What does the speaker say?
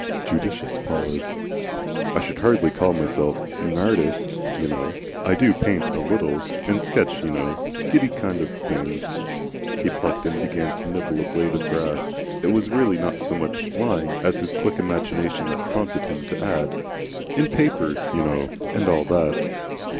Judicious pause. "I should hardly call myself a Nartist, you know. I DO paint a little. And sketch, you know skitty kind of things." He plucked and began to nibble a blade of grass. It was really not so much lying as his quick imagination that prompted him to add, "In Papers, you know, and all that."